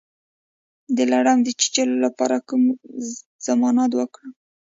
د لړم د چیچلو لپاره کوم ضماد وکاروم؟